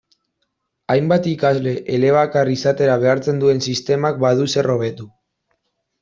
Hainbat ikasle elebakar izatera behartzen duen sistemak badu zer hobetu.